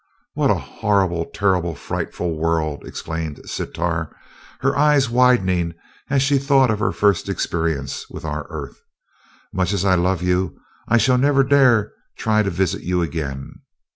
"What a horrible, terrible, frightful world!" exclaimed Sitar, her eyes widening as she thought of her first experience with our earth. "Much as I love you, I shall never dare try to visit you again.